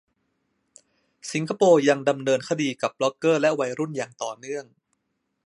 สิงคโปร์ยังดำเนินคดีกับบล็อกเกอร์และวัยรุ่นอย่างต่อเนื่อง